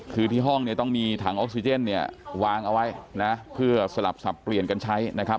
คือที่ห้องเนี่ยต้องมีถังออกซิเจนเนี่ยวางเอาไว้นะเพื่อสลับสับเปลี่ยนกันใช้นะครับ